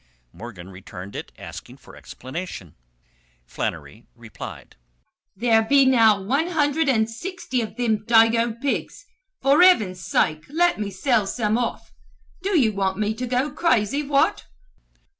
Morgan returned it asking for explanation. Flannery replied: "There be now one hundred sixty of them dago pigs, for heavens sake let me sell off some, do you want me to go crazy, what."